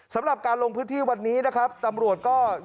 สำหรับการลงพื้นที่วันนี้นะครับตำรวจก็